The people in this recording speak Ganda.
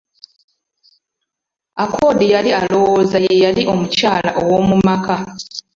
Accord yali alowooza ye yali omukyala owoomu maka.